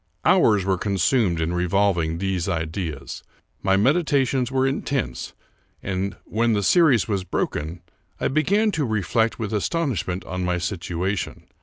Hours were consumed in revolving these ideas. My medi tations were intense ; and, when the series was broken, I began to reflect with astonishment on my situation.